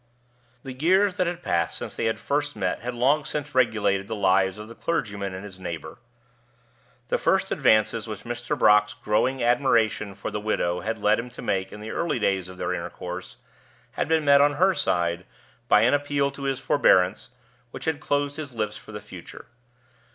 The years that had passed since they had first met had long since regulated the lives of the clergyman and his neighbor. The first advances which Mr. Brock's growing admiration for the widow had led him to make in the early days of their intercourse had been met on her side by an appeal to his forbearance which had closed his lips for the future.